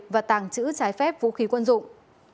và tàng trữ trái phép vũ khí quân dụng